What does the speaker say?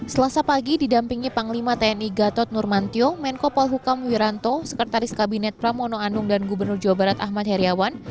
selasa pagi didampingi panglima tni gatot nurmantio menko polhukam wiranto sekretaris kabinet pramono anung dan gubernur jawa barat ahmad heriawan